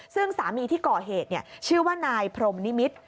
ซึ่งสามีที่ก่อเหตุชื่อว่านายพรมนิมิตร